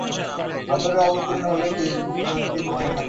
বদরে অবতীর্ণ হলে তিনদিন সেখানে থাকল।